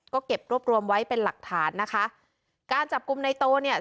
ก็เก็บรวบรวมไว้เป็นหลักฐานนะคะการจับกลุ่มในโตเนี่ย